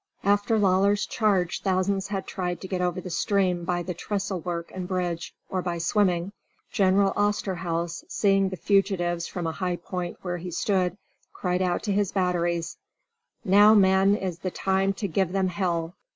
After Lawler's charge thousands had tried to get over the stream by the trestle work and bridge, or by swimming. General Osterhaus, seeing the fugitives from a high point where he stood, cried out to his batteries: "Now, men, is the time to give them hell."